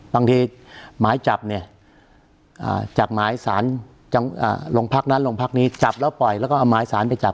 บางทีหมายจับเนี่ยจากหมายสารโรงพักนั้นโรงพักนี้จับแล้วปล่อยแล้วก็เอาหมายสารไปจับ